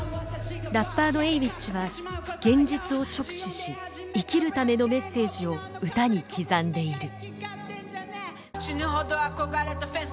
ラッパーのＡｗｉｃｈは現実を直視し生きるためのメッセージを歌に刻んでいる。